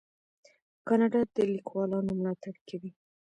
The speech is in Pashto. کاناډا د لیکوالانو ملاتړ کوي.